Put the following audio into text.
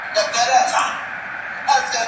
د انسان زړه د احساساتو مرکز دی.